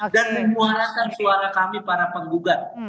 dan menguarakan suara kami para penggugat